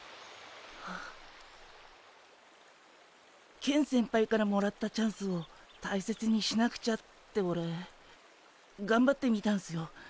ケン先輩からもらったチャンスを大切にしなくちゃってオレがんばってみたんすよ。